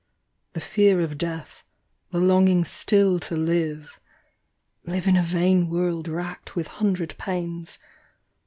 The fear of death, the longing still to live, — Live in a vain world racked with hundred pains.